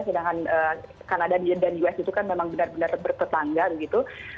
sedangkan kanada dan us itu kan memang benar benar bertetangga begitu